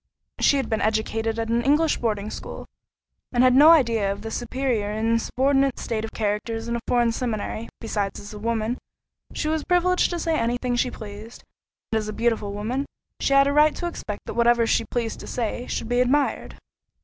She had been educated at an English boarding school, and had no idea of the superior and subordinate state of characters in a foreign seminary—besides, as a woman, she was privileged to say any thing she pleased; and as a beautiful woman, she had a right to expect that whatever she pleased to say, should be admired.